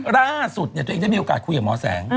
ล่าสุดเนี้ยตัวเองจะมีโอกาสคุยกับหมอแสง